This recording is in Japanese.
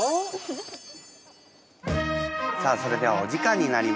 さあそれではお時間になりました。